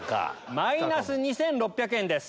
マイナス２６００円です。